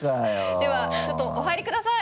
ではちょっとお入りください。